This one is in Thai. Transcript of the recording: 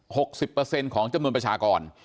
หกสิบเปอร์เซ็นต์ของจำนวนประชากร